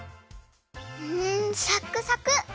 んサックサク！